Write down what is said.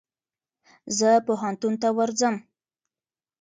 زه پوهنتون ته ورځم.